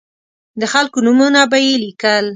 د خلکو نومونه به یې لیکل.